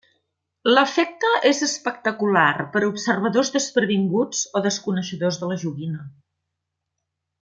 L'efecte és espectacular per a observadors desprevinguts o desconeixedors de la joguina.